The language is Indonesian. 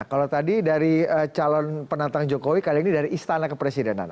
kalau tadi dari calon penantang jokowi kali ini dari istana kepresidenan